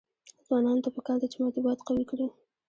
ځوانانو ته پکار ده چې، مطبوعات قوي کړي.